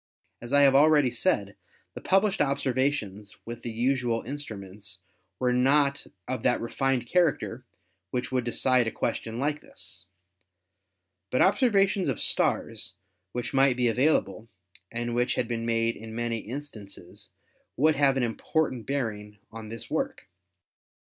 As I have already said, the published observations with the usual instruments were not of that refined character which would decide a question like this." But observations of stars which might be available, and which had been made in many instances, would have an important bearing on this work.